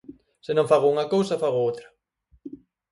Se non fago unha cousa fago outra.